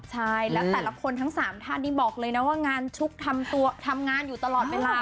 ใช่แล้วแต่ละคนทั้ง๓ท่านนี่บอกเลยนะว่างานชุกทำงานอยู่ตลอดเวลา